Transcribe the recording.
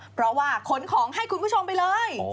เพราะว่าขนของให้คุณผู้ชมไปเลย